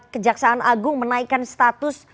kejaksaan agung menaikkan status